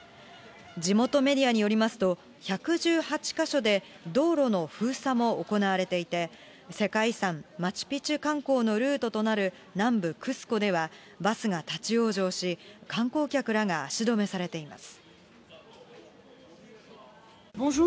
地元メディアによりますと、１１８か所で道路の封鎖も行われていて、世界遺産、マチュピチュ観光のルートとなる南部クスコでは、バスが立往生し、観光客らが足止めされています。